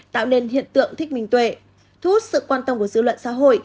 tạo nên hiện tượng thích minh tuệ thu hút sự quan tâm của dư luận xã hội